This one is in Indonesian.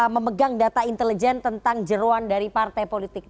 memegang data intelijen tentang jeruan dari partai politik